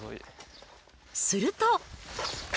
すると。